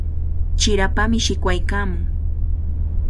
Chirapami shikwaykaamun.